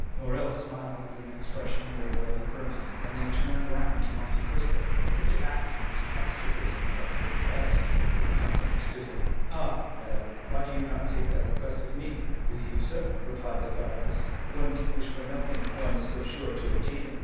Morrel smiled with an expression very like a grimace, and then turned round to Monte Cristo, as if to ask him to extricate him from his embarrassment. The count understood him. "Ah, madame," he said, "why did you not make that request of me?" "With you, sir," replied the baroness, "one can wish for nothing, one is so sure to obtain it.